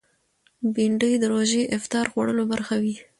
بېنډۍ د روژې افطار خوړلو برخه وي